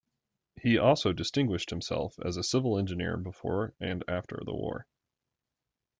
He also distinguished himself as a civil engineer before and after the war.